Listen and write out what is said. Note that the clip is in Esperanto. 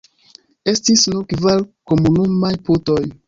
Estis nur kvar komunumaj putoj.